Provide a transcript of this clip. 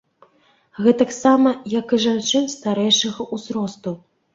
Гэтаксама, як і жанчын старэйшага ўзросту.